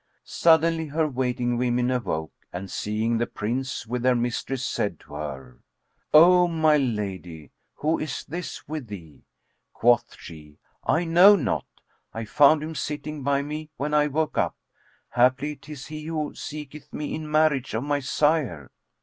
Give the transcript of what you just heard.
Suddenly, her waiting women awoke and, seeing the Prince with their mistress, said to her, "Oh my lady, who is this with thee?" Quoth she, "I know not; I found him sitting by me, when I woke up: haply 'tis he who seeketh me in marriage of my sire."